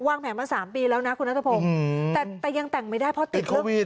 แผนมา๓ปีแล้วนะคุณนัทพงศ์แต่ยังแต่งไม่ได้เพราะติดโควิด